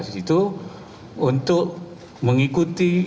oleh karena itu kami menyeru kepada kemungkinan terjadinya demonstrasi